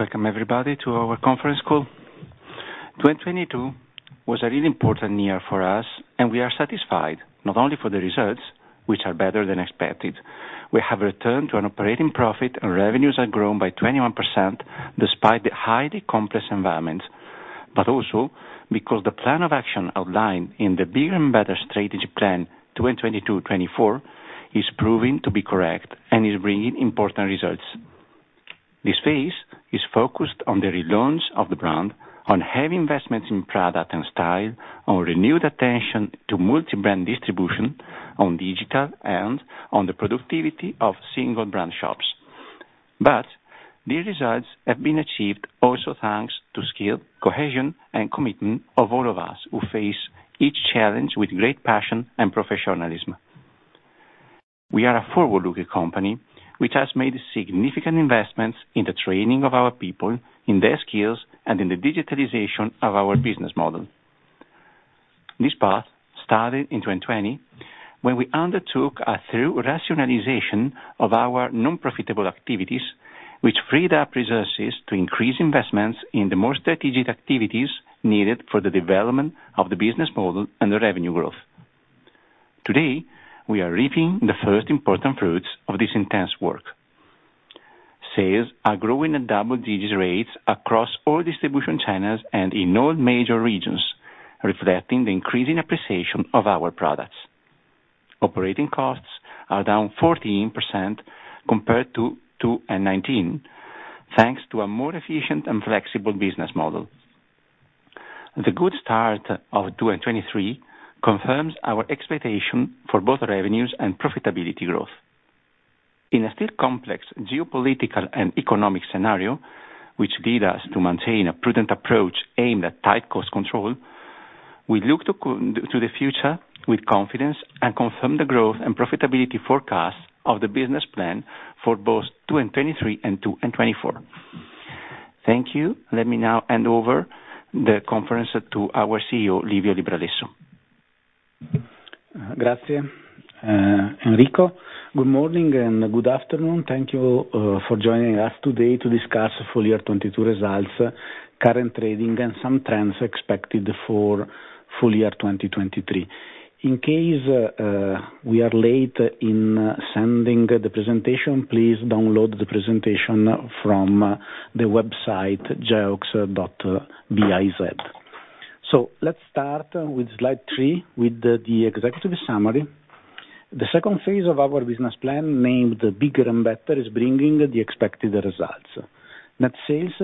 Welcome everybody to our conference call. 2022 was a really important year for us. We are satisfied not only for the results, which are better than expected. We have returned to an operating profit, and revenues are grown by 21% despite the highly complex environment, but also because the plan of action outlined in the Bigger and Better strategy plan, 2022-2024, is proving to be correct and is bringing important results. This phase is focused on the relaunch of the brand, on heavy investments in product and style, on renewed attention to multi-brand distribution, on digital and on the productivity of single brand shops. These results have been achieved also thanks to skill, cohesion and commitment of all of us who face each challenge with great passion and professionalism. We are a forward-looking company which has made significant investments in the training of our people, in their skills, and in the digitalization of our business model. This path started in 2020, when we undertook a thorough rationalization of our non-profitable activities, which freed up resources to increase investments in the more strategic activities needed for the development of the business model and the revenue growth. Today, we are reaping the first important fruits of this intense work. Sales are growing at double-digit rates across all distribution channels and in all major regions, reflecting the increasing appreciation of our products. Operating costs are down 14% compared to 2019, thanks to a more efficient and flexible business model. The good start of 2023 confirms our expectation for both revenues and profitability growth. In a still complex geopolitical and economic scenario, which lead us to maintain a prudent approach aimed at tight cost control, we look to the future with confidence and confirm the growth and profitability forecast of the business plan for both 2023 and 2024. Thank you. Let me now hand over the conference to our CEO, Livio Libralesso. Grazie, Enrico. Good morning and good afternoon. Thank you for joining us today to discuss full-year 2022 results, current trading, and some trends expected for full-year 2023. In case we are late in sending the presentation, please download the presentation from the website geox.biz. Let's start with slide 3 with the executive summary. The second phase of our business plan, named Bigger and Better, is bringing the expected results. Net sales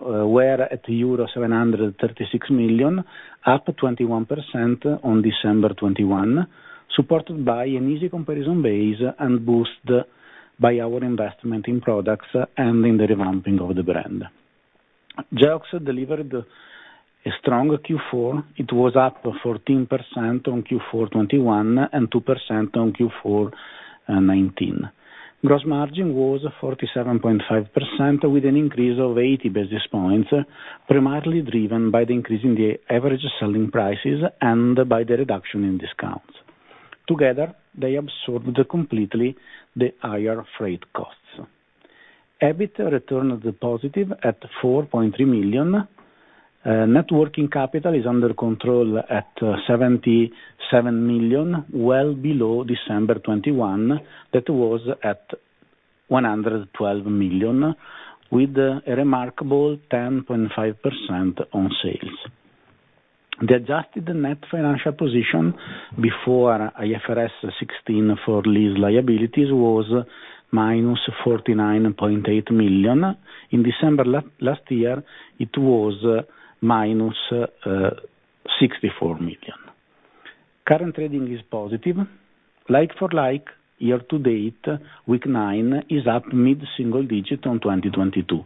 were at euro 736 million, up 21% on December 2021, supported by an easy comparison base and boost by our investment in products and in the revamping of the brand. Geox delivered a strong Q4. It was up 14% on Q4 2020 and 2% on Q4 2019. Gross margin was 47.5% with an increase of 80 basis points, primarily driven by the increase in the average selling prices and by the reduction in discounts. Together, they absorbed completely the higher freight costs. EBIT return was positive at 4.3 million. Net working capital is under control at 77 million, well below December 2021. That was at 112 million with a remarkable 10.5% on sales. The adjusted net financial position before IFRS 16 for lease liabilities was -49.8 million. In December last year, it was -64 million. Current trading is positive. Like for like, year to date, week nine is up mid-single digit on 2022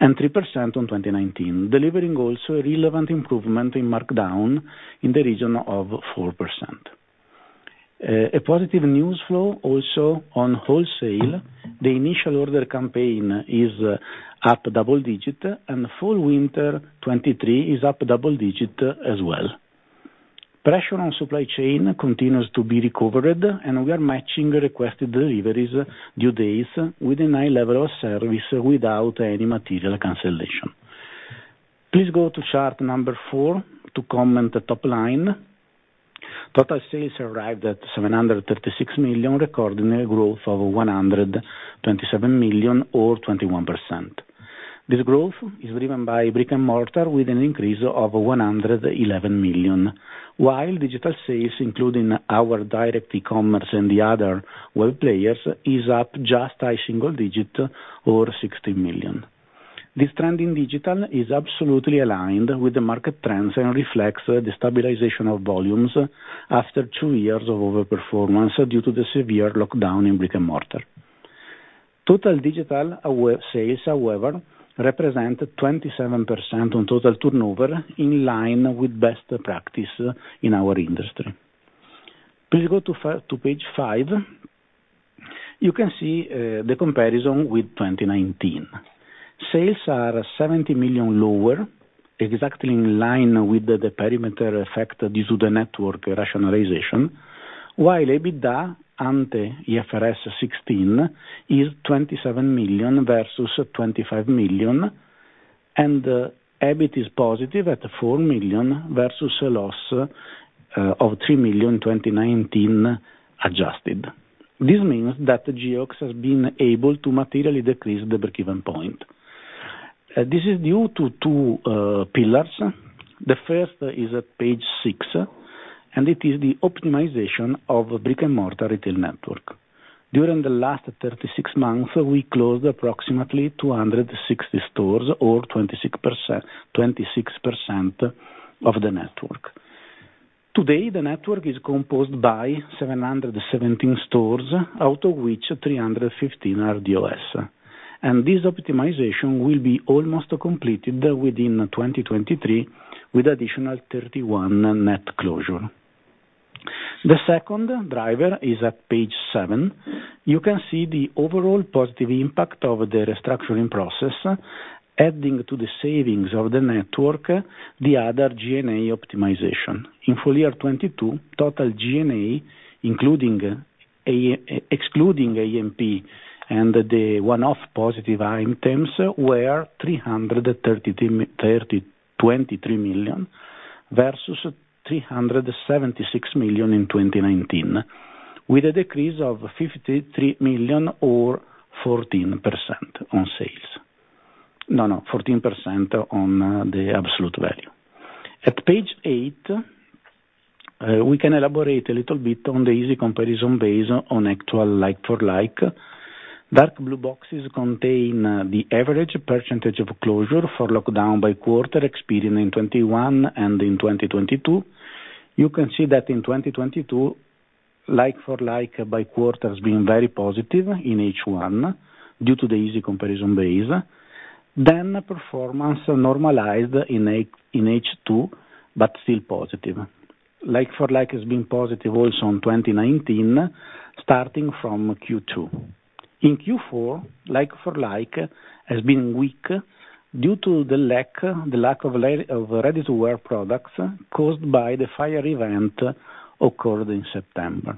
and 3% on 2019, delivering also a relevant improvement in markdown in the region of 4%. A positive news flow also on wholesale. The initial order campaign is up double-digit and full winter 2023 is up double-digit as well. Pressure on supply chain continues to be recovered, and we are matching requested deliveries due dates within high level of service without any material cancellation. Please go to chart number four to comment the top line. Total sales arrived at 736 million, recording a growth of 127 million or 21%. This growth is driven by brick-and-mortar with an increase of 111 million, while digital sales, including our direct e-commerce and the other web players, is up just a single-digit or 60 million. This trend in digital is absolutely aligned with the market trends and reflects the stabilization of volumes after two years of overperformance due to the severe lockdown in brick-and-mortar. Total digital sales, however, represent 27% on total turnover in line with best practice in our industry. Please go to page 5. You can see the comparison with 2019. Sales are 70 million lower, exactly in line with the parameter effect due to the network rationalization, while EBITDA and the IFRS 16 is 27 million versus 25 million, and the EBIT is positive at 4 million versus a loss of 3 million in 2019 adjusted. This means that Geox has been able to materially decrease the break-even point. This is due to two pillars. The first is at page 6, and it is the optimization of brick-and-mortar retail network. During the last 36 months, we closed approximately 260 stores or 26% of the network. Today, the network is composed by 717 stores, out of which 315 are DOS. This optimization will be almost completed within 2023 with additional 31 net closure. The second driver is at page 7. You can see the overall positive impact of the restructuring process, adding to the savings of the network, the other SG&A optimization. In full-year 2022, total SG&A, excluding A&P and the one-off positive item, were 323 million versus 376 million in 2019, with a decrease of 53 million or 14% on sales. No, no, 14% on the absolute value. At page 8, we can elaborate a little bit on the easy comparison base on actual like-for-like. Dark blue boxes contain the average percentage of closure for lockdown by quarter experienced in 2021 and in 2022. You can see that in 2022, like-for-like by quarter has been very positive in H1 due to the easy comparison base. Performance normalized in H2, but still positive. Like-for-like has been positive also in 2019, starting from Q2. In Q4, like-for-like has been weak due to the lack of ready-to-wear products caused by the fire event occurred in September.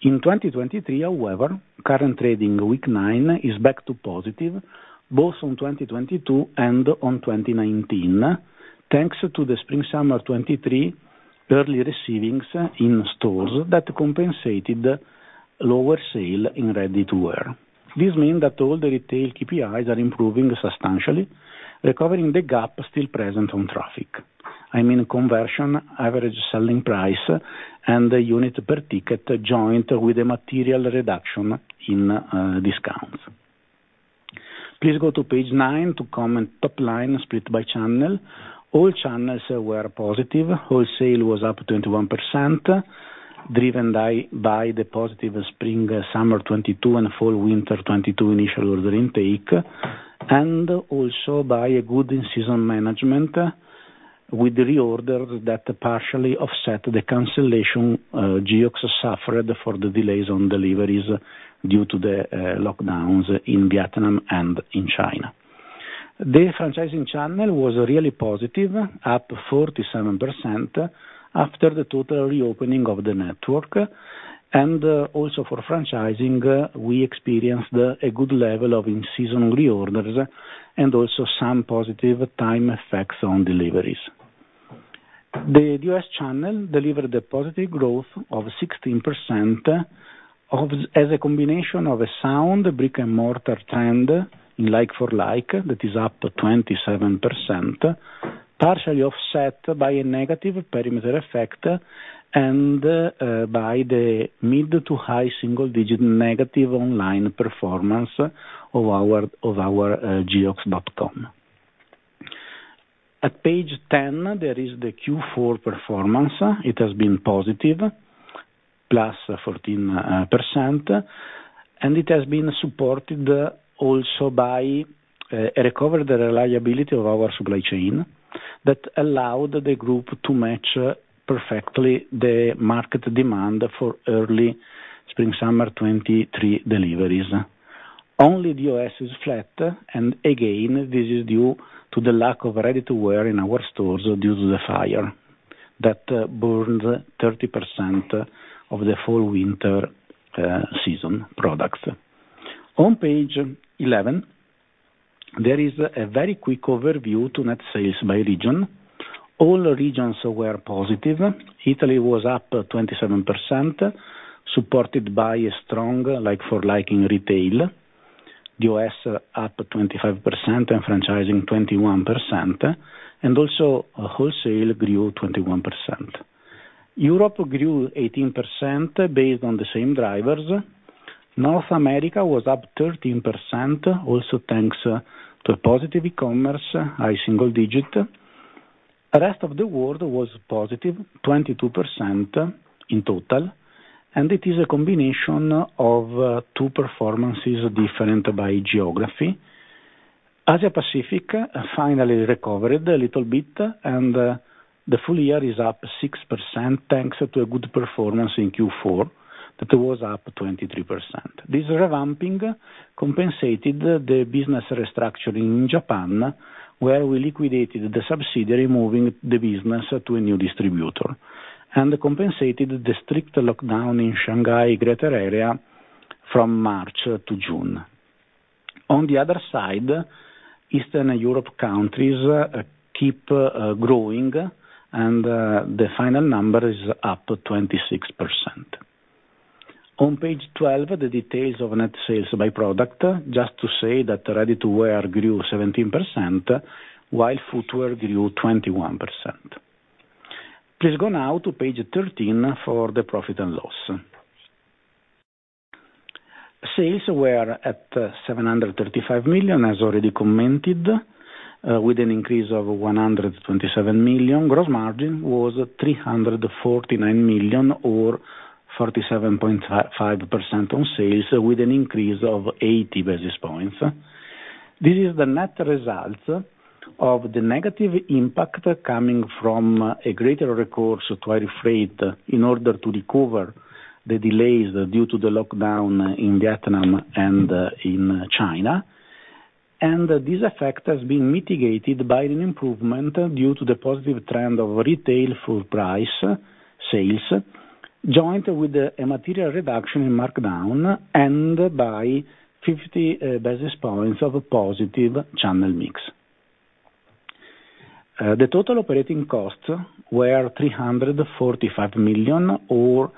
In 2023, however, current trading week nine is back to positive both on 2022 and on 2019, thanks to the spring summer 2023 early receivings in stores that compensated lower sale in ready-to-wear. This mean that all the retail KPIs are improving substantially, recovering the gap still present on traffic. I mean conversion, average selling price, and the unit per ticket joint with a material reduction in discounts. Please go to page 9 to comment top line split by channel. All channels were positive. Wholesale was up 21%, driven by the positive spring summer 2022 and fall winter 2022 initial order intake, and also by a good in-season management with reorder that partially offset the cancellation Geox suffered for the delays on deliveries due to the lockdowns in Vietnam and in China. The franchising channel was really positive, up 47% after the total reopening of the network. Also for franchising, we experienced a good level of in-season reorders and also some positive time effects on deliveries. The U.S. channel delivered a positive growth of 16% as a combination of a sound brick-and-mortar trend in like-for-like, that is up to 27%, partially offset by a negative perimeter effect and by the mid to high single digit negative online performance of our geox.com. At page 10, there is the Q4 performance. It has been positive, +14%, and it has been supported also by a recovered reliability of our supply chain that allowed the group to match perfectly the market demand for early spring, summer 2023 deliveries. Only the U.S. is flat. Again, this is due to the lack of ready-to-wear in our stores due to the fire that burned 30% of the fall, winter season products. On page 11, there is a very quick overview to net sales by region. All regions were positive. Italy was up 27%, supported by a strong like-for-like in retail. The U.S. up 25% and franchising 21%, and also wholesale grew 21%. Europe grew 18% based on the same drivers. North America was up 13% also thanks to positive e-commerce, high single digit. The rest of the world was positive, 22% in total, and it is a combination of two performances different by geography. Asia-Pacific finally recovered a little bit and the full-year is up 6%, thanks to a good performance in Q4. That was up 23%. This revamping compensated the business restructure in Japan, where we liquidated the subsidiary, moving the business to a new distributor, and compensated the strict lockdown in Shanghai greater area from March to June. On the other side, Eastern Europe countries keep growing and the final number is up to 26%. On page 12, the details of net sales by product, just to say that ready-to-wear grew 17%, while footwear grew 21%. Please go now to page 13 for the profit and loss. Sales were at 735 million, as already commented, with an increase of 127 million. Gross margin was 349 million or 47.5% on sales, with an increase of 80 basis points. This is the net result of the negative impact coming from a greater recourse to air freight in order to recover the delays due to the lockdown in Vietnam and in China. This effect has been mitigated by an improvement due to the positive trend of retail full price sales, joined with a material reduction in markdown and by 50 basis points of positive channel mix. The total operating costs were 345 million or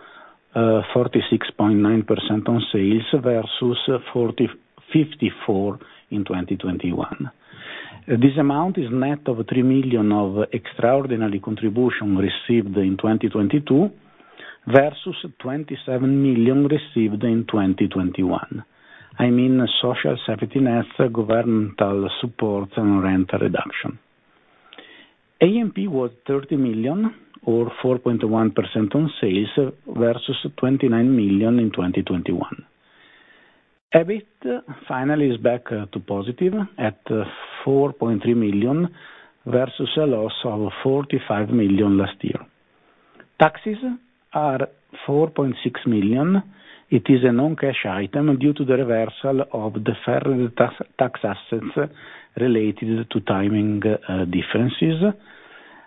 46.9% on sales versus 54% in 2021. This amount is net of 3 million of extraordinary contribution received in 2022 versus 27 million received in 2021. I mean social safety nets, governmental support and rent reduction. A&P was 30 million or 4.1% on sales versus 29 million in 2021. EBIT finally is back to positive at 4.3 million versus a loss of 45 million last year. Taxes are 4.6 million. It is a non-cash item due to the reversal of deferred tax assets related to timing differences.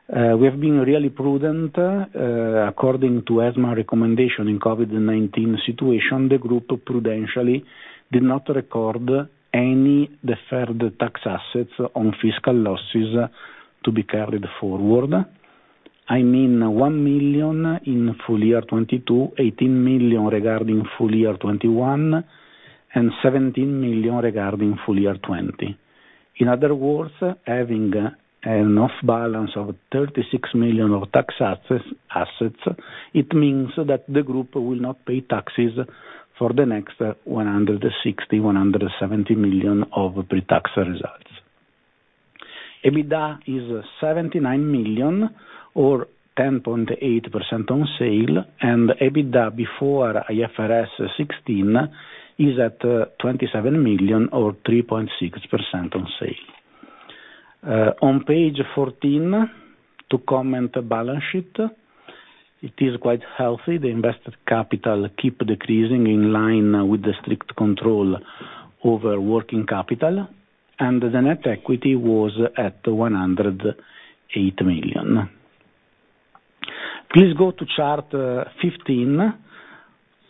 We have been really prudent according to ESMA recommendation in COVID-19 situation, the group prudentially did not record any deferred tax assets on fiscal losses to be carried forward. I mean, 1 million in full-year 2022, 18 million regarding full-year 2021, and 17 million regarding full-year 2020. In other words, having an off balance of 36 million of tax assets, it means that the group will not pay taxes for the next 160 million-170 million of pre-tax results. EBITDA is 79 million or 10.8% on sale, and EBITDA before IFRS 16 is at 27 million or 3.6% on sale. On page 14, to comment balance sheet, it is quite healthy. The invested capital keep decreasing in line with the strict control over working capital and the net equity was at 108 million. Please go to chart 15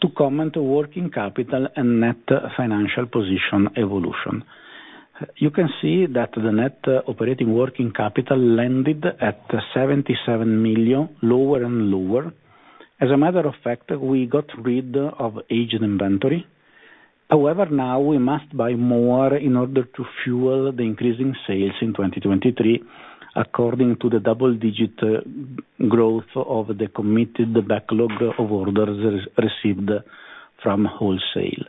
to comment working capital and net financial position evolution. You can see that the net operating working capital landed at 77 million, lower and lower. As a matter of fact, we got rid of aged inventory. Now we must buy more in order to fuel the increase in sales in 2023, according to the double-digit growth of the committed backlog of orders received from wholesale.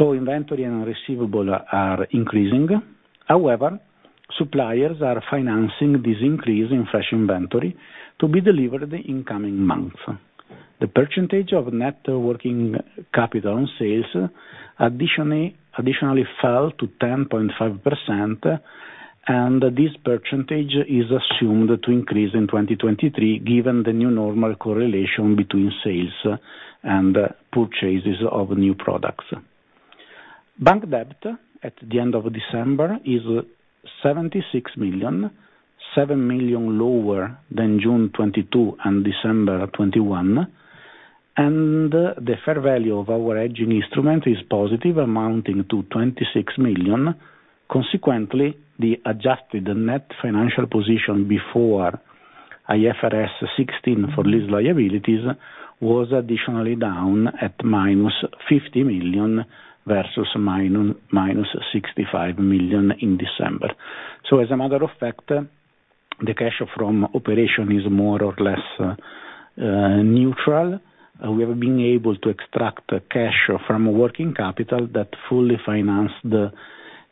Inventory and receivable are increasing. Suppliers are financing this increase in fresh inventory to be delivered in coming months. The percentage of net working capital on sales additionally fell to 10.5%, and this percentage is assumed to increase in 2023 given the new normal correlation between sales and purchases of new products. Bank debt at the end of December is 76 million, 7 million lower than June 2022 and December 2021, and the fair value of our hedging instrument is positive, amounting to 26 million. Consequently, the adjusted net financial position before IFRS 16 for lease liabilities was additionally down at minus 50 million versus minus 65 million in December. As a matter of fact, the cash from operation is more or less neutral. We have been able to extract cash from working capital that fully financed the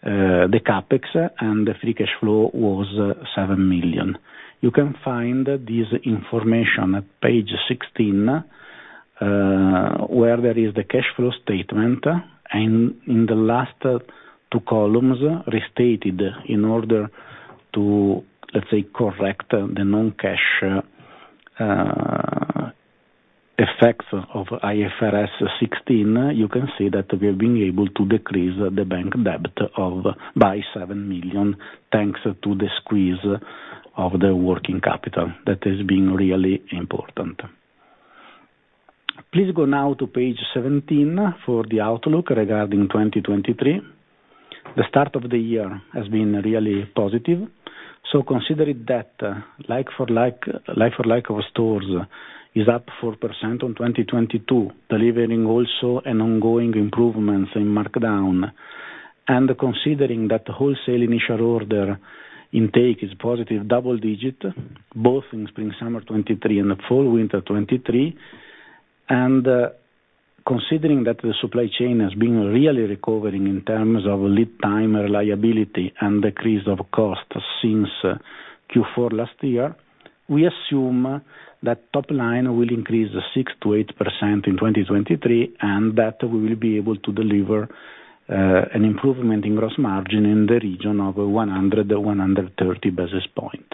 CapEx, and the free cash flow was 7 million. You can find this information at page 16, where there is the cash flow statement and in the last two columns restated in order to, let's say, correct the non-cash effect of IFRS 16, you can see that we are being able to decrease the bank debt by 7 million, thanks to the squeeze of the working capital that is being really important. Please go now to page 17 for the outlook regarding 2023. The start of the year has been really positive. Considering that like for like our stores is up 4% on 2022, delivering also an ongoing improvements in markdown. Considering that the wholesale initial order intake is positive double-digit, both in spring/summer 2023 and fall/winter 2023, considering that the supply chain has been really recovering in terms of lead time reliability and decrease of cost since Q4 last year, we assume that top line will increase 6%-8% in 2023, that we will be able to deliver an improvement in gross margin in the region of 100 to 130 basis points.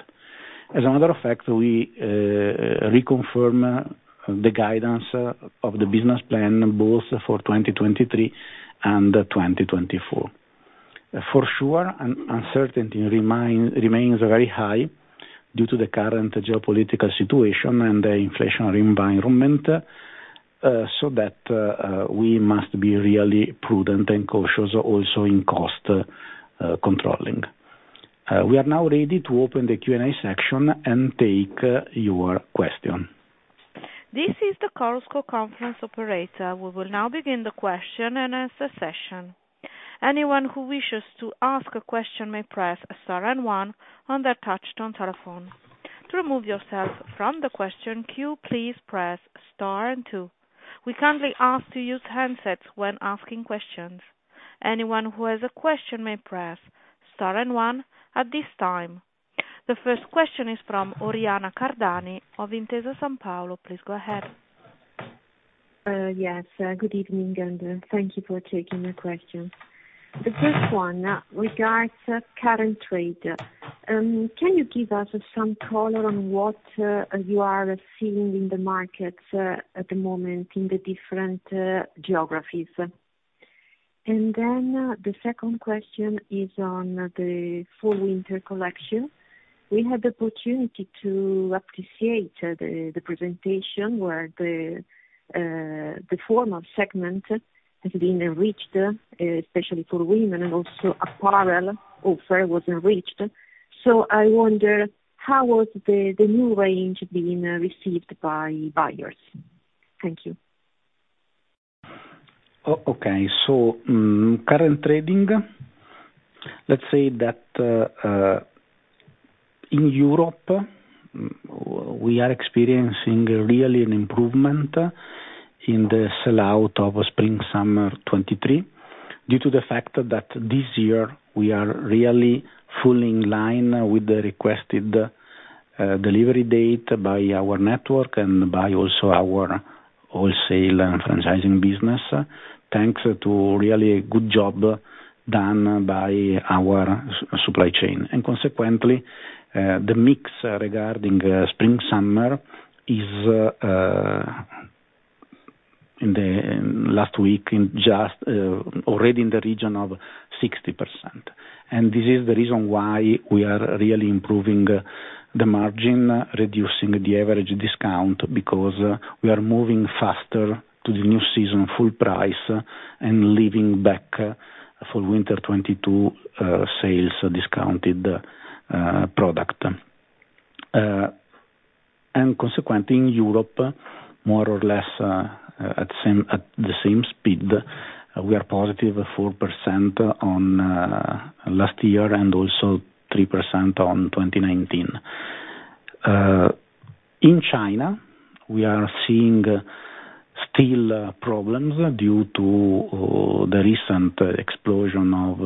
As another fact, we reconfirm the guidance of the business plan both for 2023 and 2024. For sure, uncertainty remains very high due to the current geopolitical situation and the inflationary environment, so that we must be really prudent and cautious also in cost controlling. We are now ready to open the Q&A section and take your question. This is the Chorus Call conference operator. We will now begin the question and answer session. Anyone who wishes to ask a question may press star and one on their touchtone telephone. To remove yourself from the question queue, please press star and two. We kindly ask to use handsets when asking questions. Anyone who has a question may press star and one at this time. The first question is from Oriana Cardani of Intesa Sanpaolo. Please go ahead. Yes, good evening, and thank you for taking the question. The first one regards current trade. Can you give us some color on what you are seeing in the markets at the moment in the different geographies? The second question is on the fall/winter collection. We had the opportunity to appreciate the presentation where the formal segment has been reached especially for women, and also apparel offer was reached. So I wonder how was the new range being received by buyers? Thank you. Okay. Current trading, let's say that in Europe, we are experiencing really an improvement in the sellout of spring/summer 2023 due to the fact that this year we are really fully in line with the requested delivery date by our network and by also our wholesale and franchising business, thanks to really good job done by our supply chain. Consequently, the mix regarding spring/summer is in the last week in just already in the region of 60%. This is the reason why we are really improving the margin, reducing the average discount because we are moving faster to the new season full price and leaving back fall/winter 2022 sales discounted product. Consequently in Europe, more or less, at the same speed, we are +4% on last year and also 3% on 2019. In China, we are seeing still problems due to the recent explosion of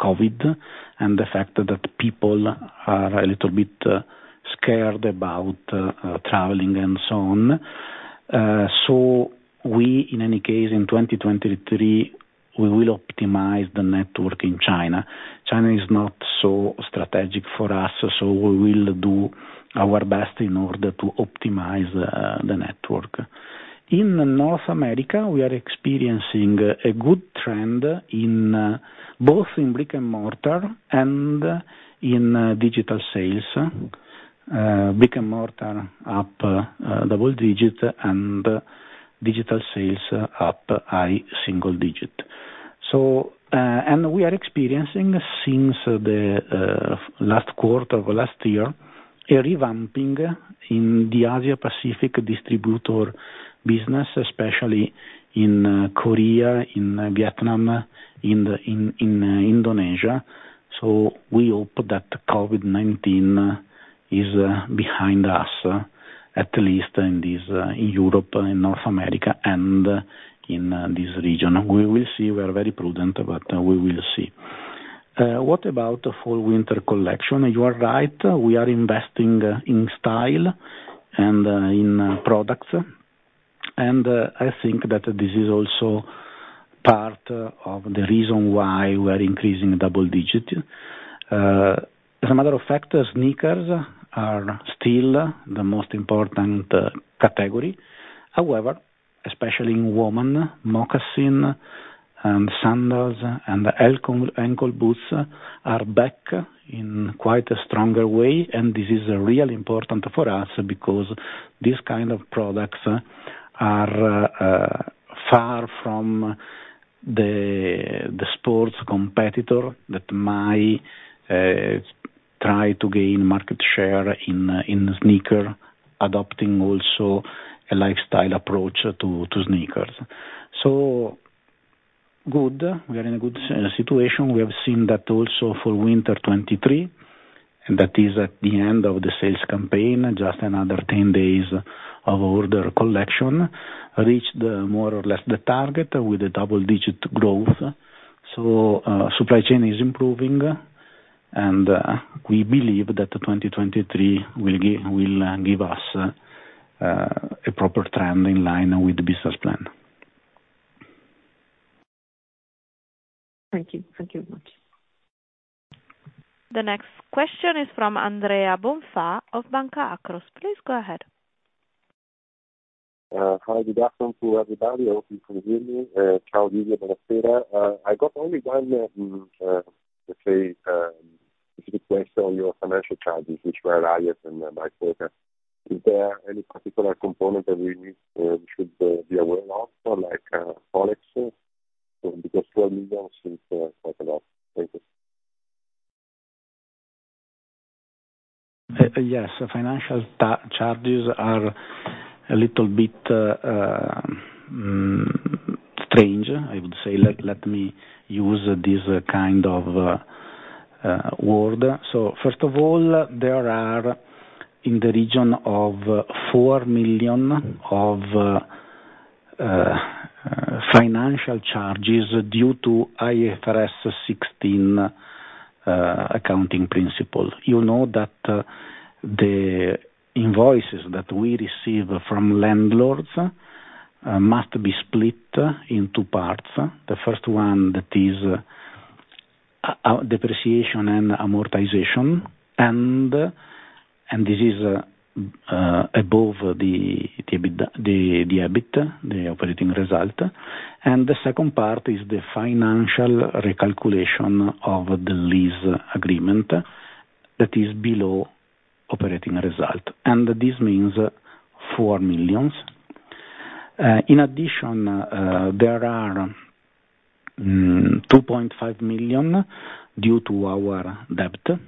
COVID and the fact that people are a little bit scared about traveling and so on. We in any case, in 2023, we will optimize the network in China. China is not so strategic for us, so we will do our best in order to optimize the network. In North America, we are experiencing a good trend in both in brick-and-mortar and in digital sales. Brick-and-mortar up double digit and digital sales up high single digit. We are experiencing since the last quarter of last year a revamping in the Asia Pacific distributor business, especially in Korea, in Vietnam, in Indonesia. We hope that COVID-19 is behind us, at least in this in Europe and North America and in this region. We will see. We are very prudent, but we will see. What about the fall/winter collection? You are right, we are investing in style and in products. I think that this is also part of the reason why we're increasing double digit. As a matter of fact, sneakers are still the most important category. Especially in women, moccasin and sandals and ankle boots are back in quite a stronger way, and this is really important for us because these kind of products are far from the sports competitor that might try to gain market share in sneakers, adopting also a lifestyle approach to sneakers. Good. We are in a good situation. We have seen that also for winter 2023, and that is at the end of the sales campaign, just another 10 days of order collection, reached more or less the target with a double-digit growth. Supply chain is improving, and we believe that 2023 will give us a proper trend in line with the business plan. Thank you. Thank you very much. The next question is from Andrea Bonfà of Banca Akros. Please go ahead. Hi, good afternoon to everybody. Hope you can hear me. Livio, buonasera. I got only one, let's say, specific question on your financial charges, which were higher than my forecast. Is there any particular component that we need, we should be aware of, like, Forex? EUR 4 million seems quite a lot. Thank you. Yes. Financial charges are a little bit strange, I would say. Let me use this kind of word. First of all, there are in the region of 4 million of financial charges due to IFRS 16 accounting principle. You know that the invoices that we receive from landlords must be split into parts. The first one that is our depreciation and amortization, and this is above the EBITDA, the EBIT, the operating result. The second part is the financial recalculation of the lease agreement that is below operating result. This means 4 million. In addition, there are 2.5 million due to our debt to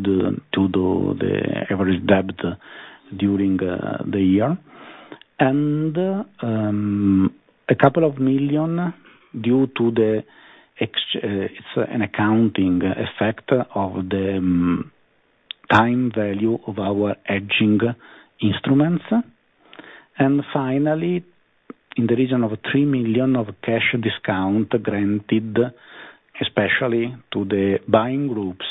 the average debt during the year. A couple of million EUR due to an accounting effect of the time value of our hedging instruments. Finally, in the region of 3 million of cash discount granted, especially to the buying groups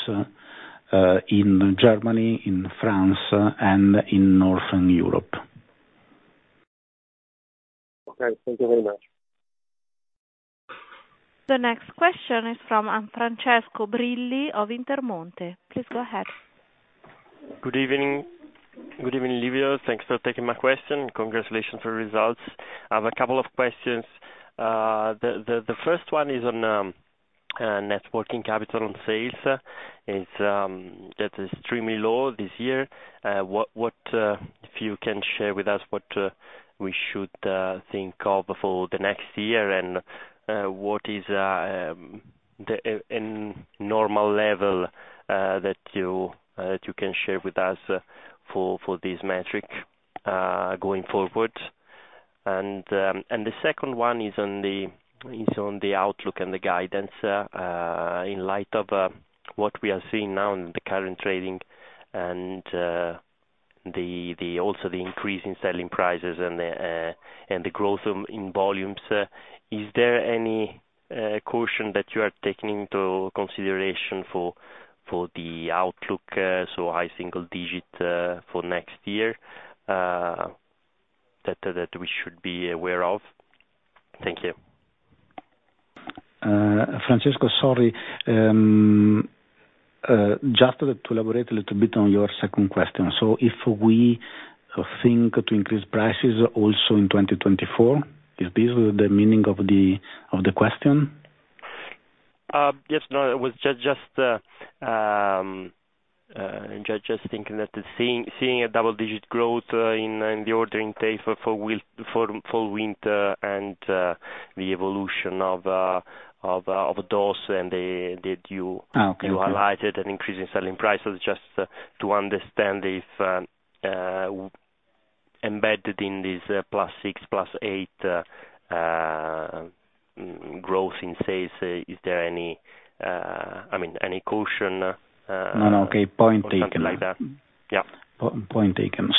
in Germany, in France, and in Northern Europe. Okay. Thank you very much. The next question is from Francesco Brilli of Intermonte. Please go ahead. Good evening. Good evening, Livio. Thanks for taking my question. Congratulations for results. I have a couple of questions. The first one is on net working capital on sales. It's that is extremely low this year. What if you can share with us what we should think of for the next year and what is the normal level that you can share with us for this metric going forward? The second one is on the outlook and the guidance in light of what we are seeing now in the current trading and the also the increase in selling prices and the growth in volumes. Is there any caution that you are taking into consideration for the outlook, so high single digit, for next year, that we should be aware of? Thank you. Francesco, sorry. Just to elaborate a little bit on your second question. If we think to increase prices also in 2024, is this the meaning of the question? Yes, no. It was just thinking that the seeing a double-digit growth, in, the ordering day for winter and, the evolution of those and the you. Oh, okay. You highlighted an increase in selling prices. Just to understand if, embedded in this +6%, +8% growth in sales, is there any, I mean, any caution? No, no. Okay. Point taken. Something like that? Yeah. Point taken.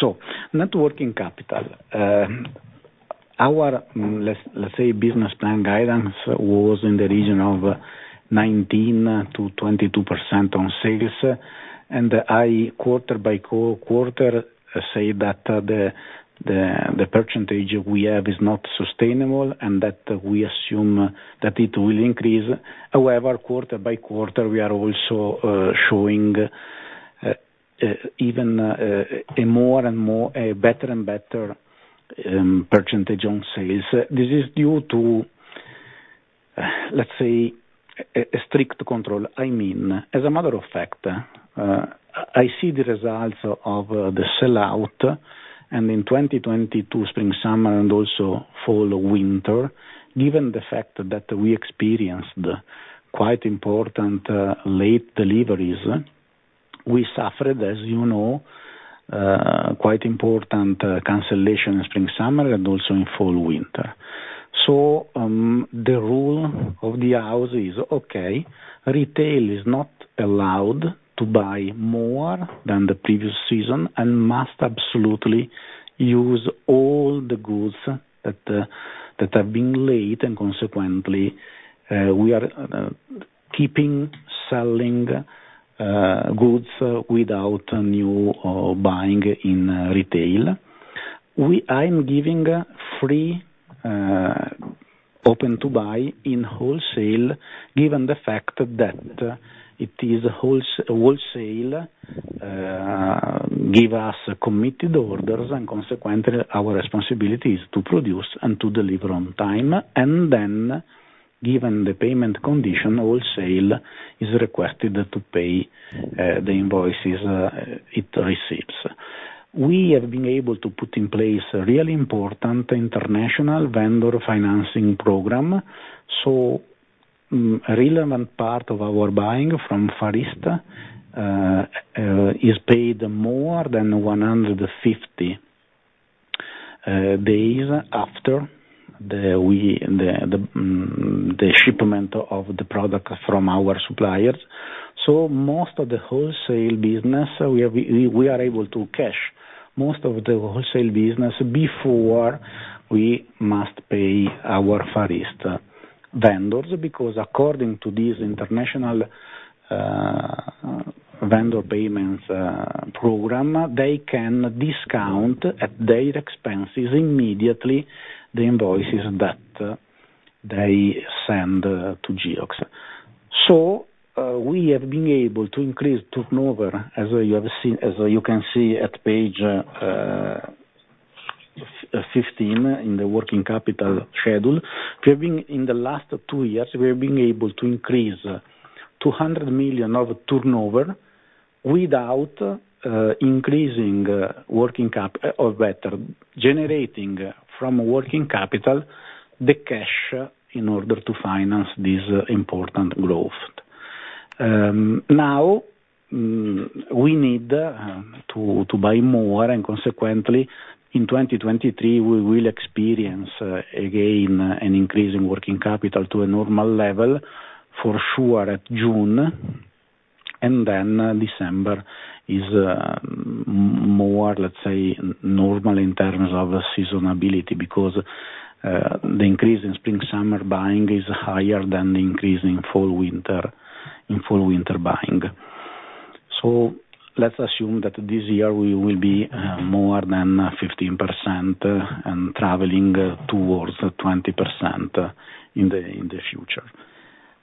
Net working capital, our, let's say business plan guidance was in the region of 19%-22% on sales. I, quarter by quarter, say that the percentage we have is not sustainable and that we assume that it will increase. However, quarter by quarter, we are also showing even a better and better percentage on sales. This is due to, let's say, a strict control. I mean, as a matter of fact, I see the results of the sellout, and in 2022 spring/summer and also fall/winter, given the fact that we experienced quite important late deliveries, we suffered, as you know, quite important cancellation in spring/summer and also in fall/winter. The rule of the house is, okay, retail is not allowed to buy more than the previous season and must absolutely use all the goods that have been laid, and consequently, we are keeping, selling, goods without new or buying in retail. I'm giving free open to buy in wholesale given the fact that it is a wholesale give us committed orders, and consequently, our responsibility is to produce and to deliver on time. Given the payment condition, wholesale is requested to pay the invoices it receives. We have been able to put in place a really important international vendor financing program. Relevant part of our buying from Far East is paid more than 150 days after the. the shipment of the product from our suppliers. Most of the wholesale business, we are able to cash most of the wholesale business before we must pay our Far East vendors, because according to this international vendor payments program, they can discount at their expenses immediately the invoices that they send to Geox. We have been able to increase turnover, as you have seen, as you can see at page 15 in the working capital schedule. In the last two years, we have been able to increase 200 million of turnover without increasing working capital or better generating from working capital the cash in order to finance this important growth. Now, we need to buy more. Consequently, in 2023, we will experience again an increase in working capital to a normal level for sure at June. Then December is more, let's say, normal in terms of seasonability, because the increase in spring/summer buying is higher than the increase in fall/winter buying. Let's assume that this year we will be more than 15% and traveling towards 20% in the future.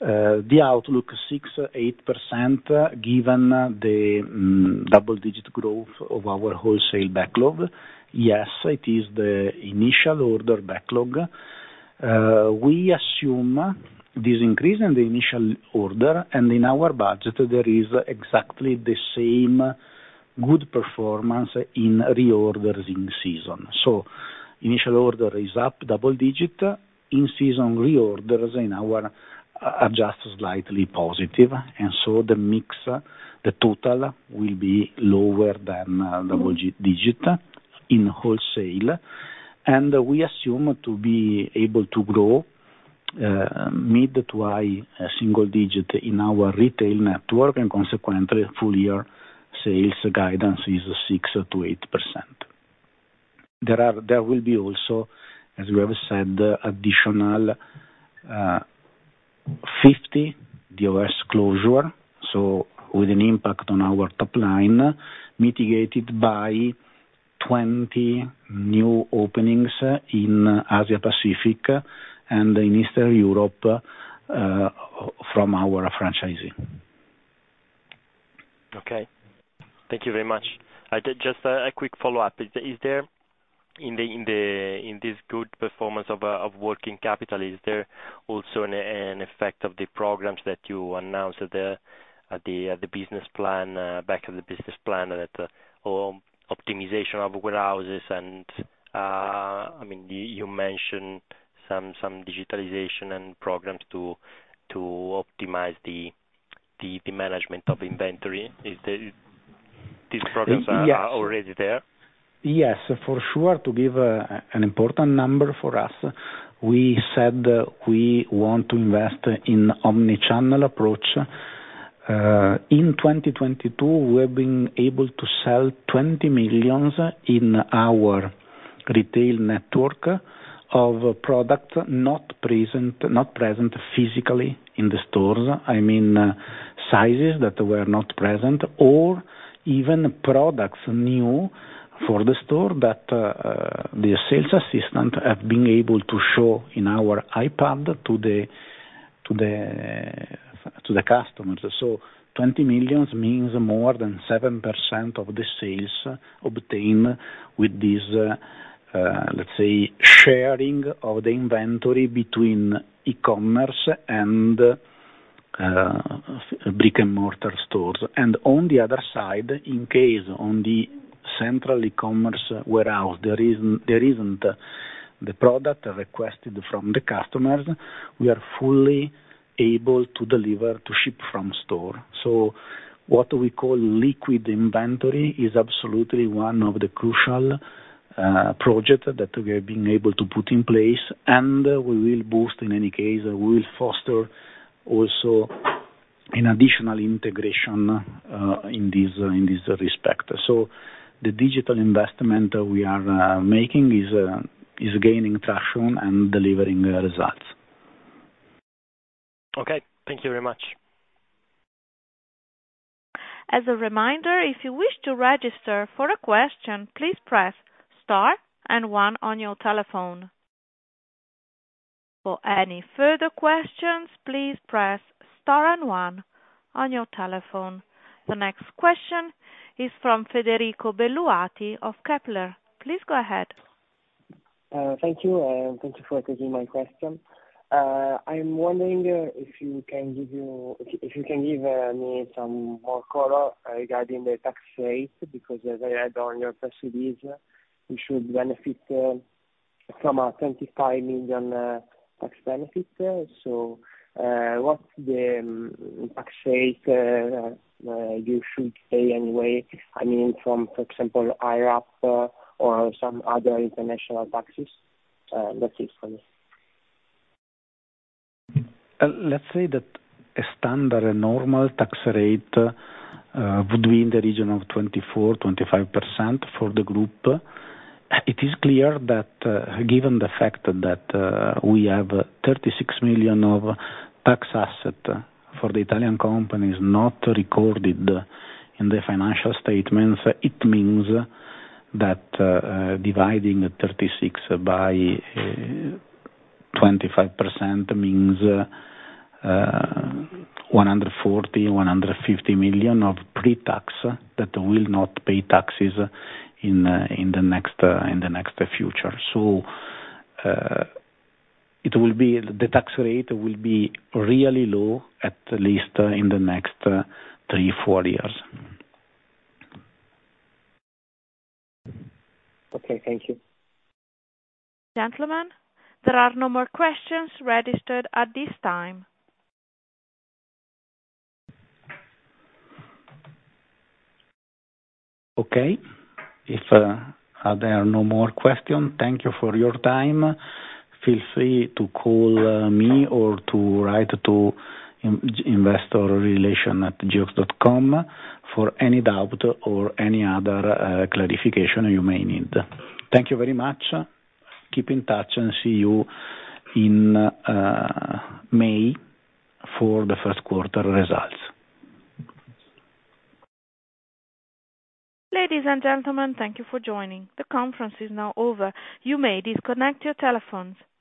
The outlook 6%-8%, given the double digit growth of our wholesale backlog. It is the initial order backlog. We assume this increase in the initial order. In our budget, there is exactly the same good performance in reorders in season. Initial order is up double digit. In-season reorders in our are just slightly positive. The mix, the total will be lower than double digit in wholesale. We assume to be able to grow mid to high single digit in our retail network, and consequently, full-year sales guidance is 6%-8%. There will be also, as we have said, additional 50 DOS closure, with an impact on our top line, mitigated by 20 new openings in Asia Pacific and in Eastern Europe from our franchising. Okay. Thank you very much. I just a quick follow-up. Is there in this good performance of working capital, is there also an effect of the programs that you announced at the business plan back of the business plan that optimization of warehouses and, I mean, you mentioned some digitalization and programs to optimize the management of inventory. These programs are already there? Yes. For sure, to give an important number for us, we said we want to invest in omnichannel approach. In 2022, we have been able to sell 20 million in our retail network of products not present physically in the stores. I mean, sizes that were not present or even products new for the store that the sales assistant have been able to show in our iPad to the customers. So 20 million means more than 7% of the sales obtained with these, let's say, sharing of the inventory between e-commerce and brick-and-mortar stores. On the other side, in case on the central e-commerce warehouse, there isn't the product requested from the customers, we are fully able to deliver, to ship from store. What we call liquid inventory is absolutely one of the crucial project that we have been able to put in place, and we will boost in any case, we will foster also an additional integration in this respect. The digital investment we are making is gaining traction and delivering results. Okay. Thank you very much. As a reminder, if you wish to register for a question, please press star and one on your telephone. For any further questions, please press star and one on your telephone. The next question is from Federico Belluati of Kepler. Please go ahead. Thank you. Thank you for taking my question. I'm wondering if you can give me some more color regarding the tax rate, because as I read on your press release, you should benefit from a 25 million tax benefit. What's the tax rate you should pay anyway? I mean, from, for example, IRAP or some other international taxes. That's it for me. Let's say that a standard normal tax rate would be in the region of 24%-25% for the group. It is clear that, given the fact that we have 36 million of tax asset for the Italian companies not recorded in the financial statements, it means that dividing 36 by 25% means 140 million-150 million of pre-tax that will not pay taxes in the next future. The tax rate will be really low, at least in the next three-four years. Okay. Thank you. Gentlemen, there are no more questions registered at this time. Okay. If there are no more questions, thank you for your time. Feel free to call me or to write to investorrelation@geox.com for any doubt or any other clarification you may need. Thank you very much. Keep in touch and see you in May for the first quarter results. Ladies and gentlemen, thank you for joining. The conference is now over. You may disconnect your telephones. Thank you.